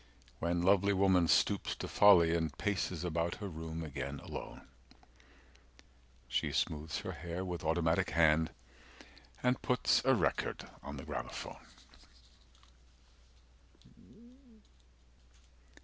When lovely woman stoops to folly and Paces about her room again, alone, She smoothes her hair with automatic hand, 255 And puts a record on the gramophone.